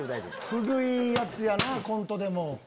古いやつやなコントでも。